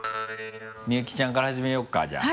三由紀ちゃんから始めようかじゃあ。